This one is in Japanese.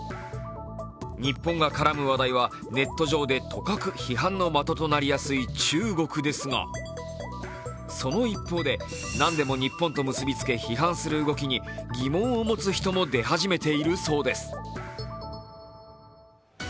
とかく批判の的となりやすい中国ですがその一方で、何でも日本と結びつけ批判する動きに疑問を持つ人も出始めているそうです。